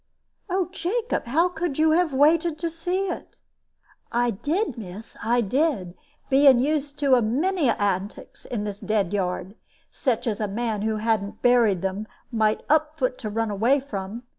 "Oh, Jacob, how could you have waited to see it?" "I did, miss, I did; being used to a many antics in this dead yard, such as a man who hadn't buried them might up foot to run away from.